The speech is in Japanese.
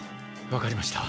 わかりました。